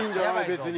別に。